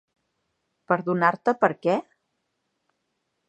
Perdonar-te per què?